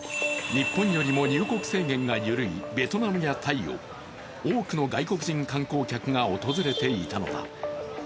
日本よりも入国制限が緩いベトナムやタイを多くの外国人観光客が訪れていたのだ。